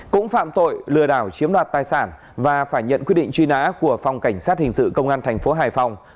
cũng phạm tội lừa đảo chiếm đoạt tài sản và phải nhận quyết định truy nã của phòng cảnh sát hình sự công an thành phố hải phòng